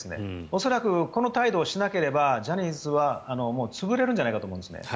恐らくこの態度をしなければジャニーズはもう潰れるんじゃないかと思います。